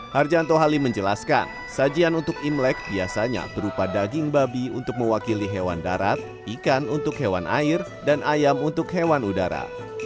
harjanto halim menjelaskan sajian untuk imlek biasanya berupa daging babi untuk mewakili hewan darat ikan untuk hewan air dan ayam untuk hewan udara